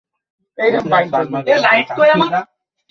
যতক্ষণ লোকগুলো ছিল, ততক্ষণ তারা তাদের পাশে ভিড় করে দাঁড়িয়ে ছিল।